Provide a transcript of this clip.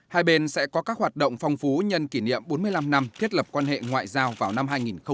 hai bên sẽ có các hoạt động phong phú nhân kỷ niệm bốn mươi năm năm thiết lập quan hệ ngoại giao vào năm hai nghìn hai mươi